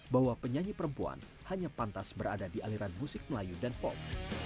bahwa penyanyi perempuan hanya pantas berada di aliran musik melayu dan pop